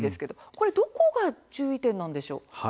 これは、どこが注意点なんでしょうか。